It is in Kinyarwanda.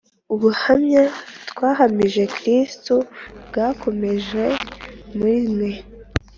ubuhamya twahamije Kristo bwakomejwe muri mwe;